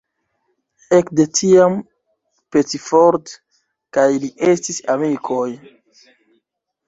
Ekde tiam Pettiford kaj li estis amikoj.